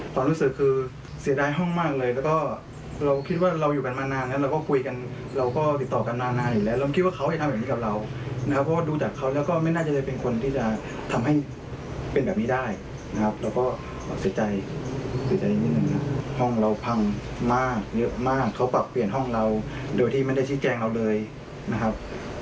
พังมากเยอะมากเขาปรับเปลี่ยนห้องเราโดยที่มันได้ชี้แจงเราเลยนะครับ